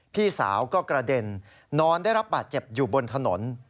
พี่สาวก็กระเด็นนอนได้รับบาดเจ็บอยู่บนถนน